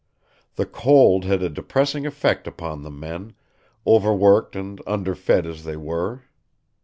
The cold had a depressing effect upon the men, overworked and underfed as they were.